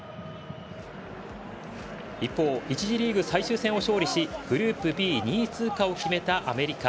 一方、１次リーグ最終戦を勝利しグループＢ２位通過を決めたアメリカ。